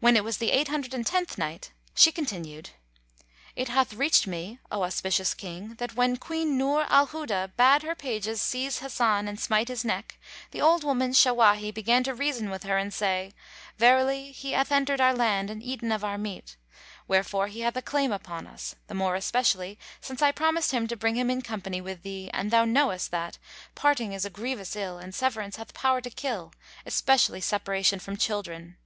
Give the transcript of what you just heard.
When it was the Eight Hundred and Tenth Night, She continued, It hath reached me, O auspicious King, that when Queen Nur al Huda bade her pages seize Hasan and smite his neck, the old woman, Shawahi, began to reason with her and say, "Verily he hath entered our land and eaten of our meat, wherefore he hath a claim upon us, the more especially since I promised him to bring him in company with thee; and thou knowest that, parting is a grievous ill and severance hath power to kill, especially separation from children.